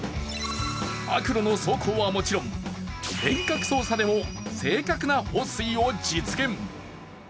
悪路の走行はもちろん遠隔操作でも正確な放水を実現。